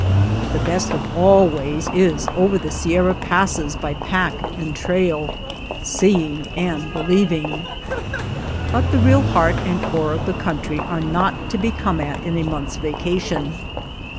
The best of all ways is over the Sierra passes by pack and trail, seeing and believing. But the real heart and core of the country are not to be come at in a month's vacation.